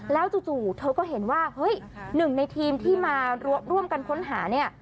แล้วจู่เธอก็เห็นว่าเฮ้ยหนึ่งในทีมที่มาร่วมกันค้นหาเนี่ย